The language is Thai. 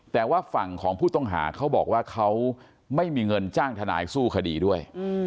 แต่ว่าฝั่งของผู้ต้องหาเขาบอกว่าเขาไม่มีเงินจ้างทนายสู้คดีด้วย